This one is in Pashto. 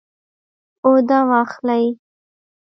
اوده واخلئ